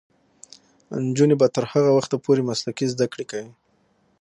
نجونې به تر هغه وخته پورې مسلکي زدکړې کوي.